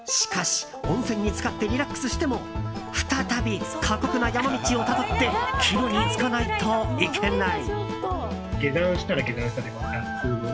しかし、温泉につかってリラックスしても再び過酷な山道をたどって帰路につかないといけない。